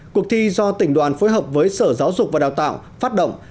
cuộc thi do tỉnh đoàn phối hợp với sở giáo dục và đào tạo phát động